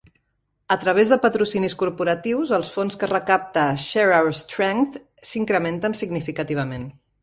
A través de patrocinis corporatius, els fons que recapta Share Our Strength s'incrementen significativament.